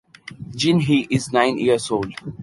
Jinhee is nine years old.